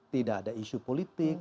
tidak ada isu politik